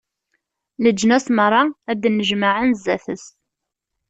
Leǧnas meṛṛa ad d-nnejmaɛen zdat-s.